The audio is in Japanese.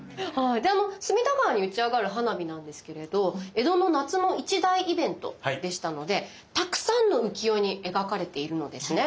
隅田川に打ち上がる花火なんですけれど江戸の夏の一大イベントでしたのでたくさんの浮世絵に描かれているのですね。